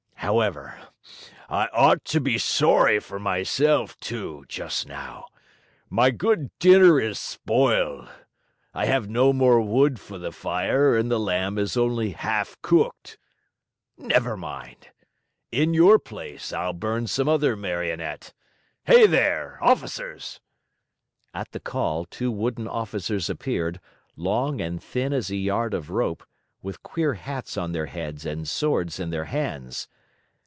However, I ought to be sorry for myself, too, just now. My good dinner is spoiled. I have no more wood for the fire, and the lamb is only half cooked. Never mind! In your place I'll burn some other Marionette. Hey there! Officers!" At the call, two wooden officers appeared, long and thin as a yard of rope, with queer hats on their heads and swords in their hands.